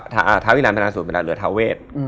ทาวินาณธนาศูนย์เป็นอะไรเหลือทาเวช